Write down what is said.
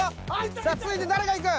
さあ続いて誰がいく？